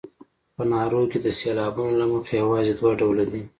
په نارو کې د سېلابونو له مخې یوازې دوه ډوله دي.